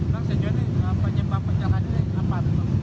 bang sejujurnya penyebab kecelakaan ini apa